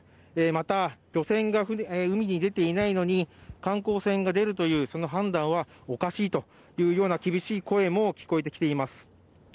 また、漁船が海に出ていないのに観光船が出るという判断はおかしいという厳しい声も聞こえてきています。